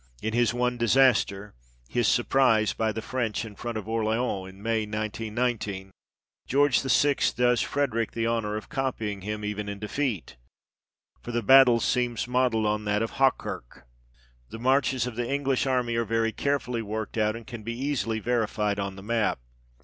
In his one disaster, his surprise by the French in front of Orleans, in May, 1919, George VI. does Frederick the honour of copying him, even in defeat ; for the battle seems modelled on that of Hochkirch. The marches of the English army are very carefully worked out, and can be easily verified on the map.